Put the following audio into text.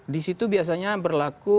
di situ biasanya berlaku